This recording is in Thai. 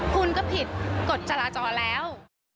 คุณก็ผิดกฎจราจรแล้ว